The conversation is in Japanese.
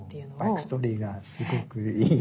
バックストーリーがすごくいい。